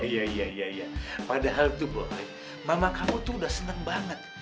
iya iya padahal tuh boleh mama kamu tuh udah seneng banget